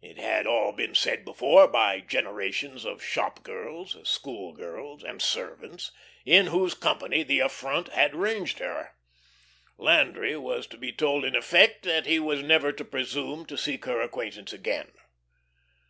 It had all been said before by generations of shop girls, school girls, and servants, in whose company the affront had ranged her. Landry was to be told in effect that he was never to presume to seek her acquaintance again.